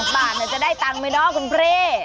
๙๑บาทจะได้ตังค์ไหมครับโอเคคุณเพรย์